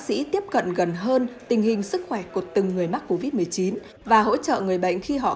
sĩ tiếp cận gần hơn tình hình sức khỏe của từng người mắc covid một mươi chín và hỗ trợ người bệnh khi họ